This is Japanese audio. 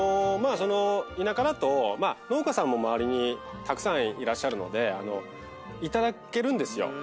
田舎だと農家さんも周りにたくさんいらっしゃるので頂けるんですよ。